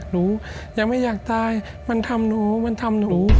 นายยังไม่อยากตายมันทำหนู